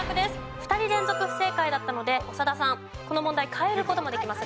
２人連続不正解だったので長田さんこの問題変える事もできますがどうなさいますか？